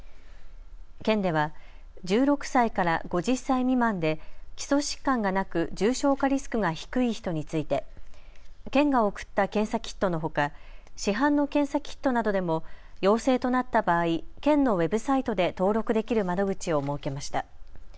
県では１６歳から５０歳未満で基礎疾患がなく、重症化リスクが低い人について県が送った検査キットのほか市販の検査キットなどでも陽性となった場合県のウェブサイトで登録できる窓口を設けました。